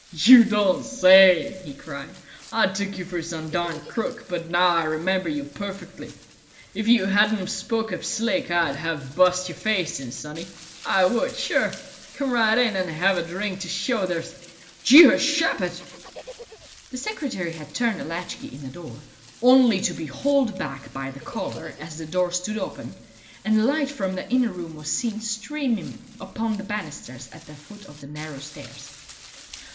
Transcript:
"You don't say!" he cried. "I took you for some darned crook, but now I remember you perfectly. If you hadn't 've spoke up slick I'd have bu'st your face in, sonny. I would, sure! Come right in, and have a drink to show there's Jeehoshaphat!" The secretary had turned the latch key in the door, only to be hauled back by the collar as the door stood open, and the light from the inner room was seen streaming upon the banisters at the foot of the narrow stairs.